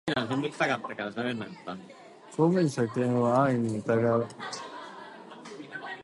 公務員削減を安易にうたうが、雇用の受け皿の一つであり、住民サービスの基本でもある